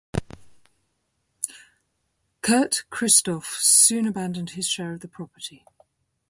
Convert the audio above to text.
Kurt Christoph soon abandoned his share of the property.